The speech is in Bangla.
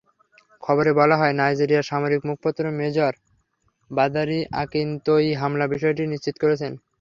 খবরে বলা হয়, নাইজেরিয়ার সামরিক মুখপাত্র মেজর বাদারি আকিনতোয়ি হামলার বিষয়টি নিশ্চিত করেছেন।